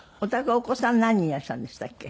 お子さん何人いらっしゃるんでしたっけ？